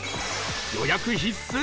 予約必須！？